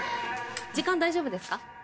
時間大丈夫ですか？